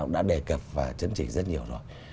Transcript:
đã đề cập và chấn chỉ rất nhiều rồi